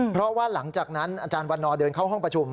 เพราะว่าหลังจากนั้นอาจารย์วันนอเดินเข้าห้องประชุม